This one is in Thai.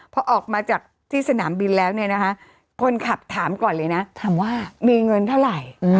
พอออกมาจากที่สนามบินแล้วเนี่ยนะคะคนขับถามก่อนเลยนะถามว่ามีเงินเท่าไหร่